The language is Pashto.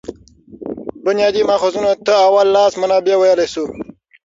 بنیادي ماخذونو ته اول لاس منابع ویلای سو.